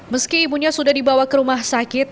meski ibunya sudah dibawa ke rumah sakit